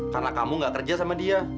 karena kamu tidak bekerja dengan dia